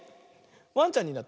ワンちゃんになった。